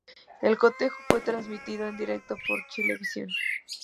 El cotejo fue transmitido en directo por Chilevisión.